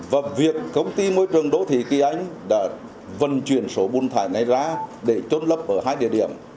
và việc công ty môi trường đô thị kỳ anh đã vận chuyển số bùn thải này ra để trôn lấp ở hai địa điểm